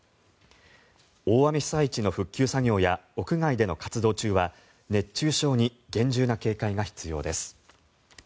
大雨被災地の復旧作業や屋外での活動中は熱中症に厳重な警戒が必要です。